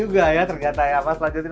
dan selagi itu